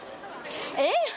えっ？